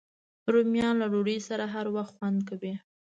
رومیان له ډوډۍ سره هر وخت خوند کوي